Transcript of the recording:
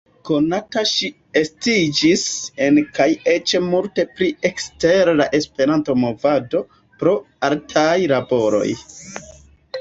Konata ŝi estiĝis en kaj eĉ multe pli ekster la Esperanto-movado pro artaj laboroj.